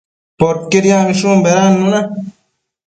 Poquied yacmishun bedannuna